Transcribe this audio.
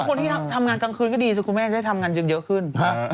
คนที่ทำงานกลางคืนก็ดีสิคุณแม่จะได้ทำงานเยอะขึ้น